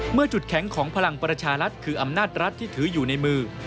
เมื่อจุดแข็งของพลังประชารัฐคืออำนาจรัฐที่ถืออยู่ในมือ